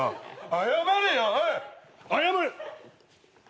謝れ！